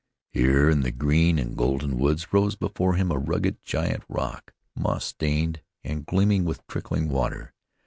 Here in the green and golden woods rose before him a rugged, giant rock, moss stained, and gleaming with trickling water.